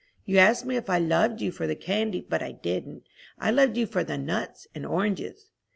You asked me if I loved you for the candy, but I didn't; I loved you for the nuts and oranges.